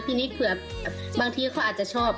ทีนี้เผื่อบางทีเขาอาจจะชอบ